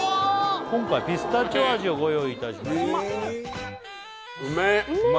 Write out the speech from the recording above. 今回ピスタチオ味をご用意いたしましたうめえ！